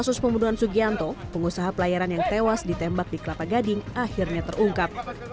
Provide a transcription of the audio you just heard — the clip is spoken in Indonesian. kasus pembunuhan sugianto pengusaha pelayaran yang tewas ditembak di kelapa gading akhirnya terungkap